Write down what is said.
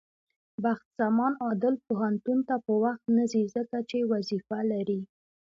بخت زمان عادل پوهنتون ته په وخت نځي، ځکه چې وظيفه لري.